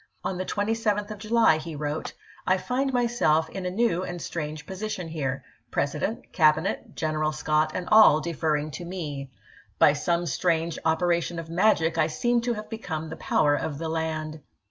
On the 27th of July he wrote : "I find myself in a new and strange position here ; President, Cabinet, General Scott, and all deferring to me. By some strange operation of magic I seem to have become the power of the land."